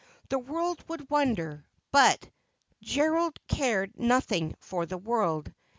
The world would wonder ; but Gerald cared nothing for the world.